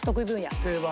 定番。